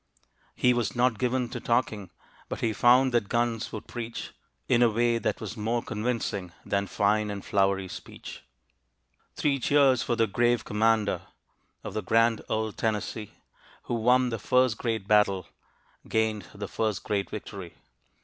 He was not given to talking, But he found that guns would preach In a way that was more convincing Than fine and flowery speech. Three cheers for the grave commander Of the grand old Tennessee! Who won the first great battle Gained the first great victory.